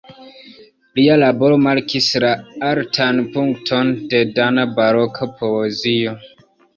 Lia laboro markis la altan punkton de dana baroka poezio.